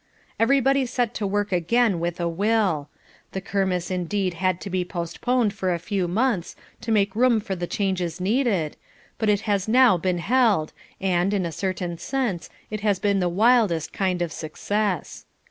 Everybody set to work again with a will. The Kermesse indeed had to be postponed for a few months to make room for the changes needed, but it has now been held and, in a certain sense, it has been the wildest kind of success.